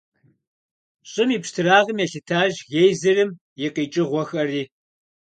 ЩӀым и пщтырагъым елъытащ гейзерым и къикӀыгъуэхэри.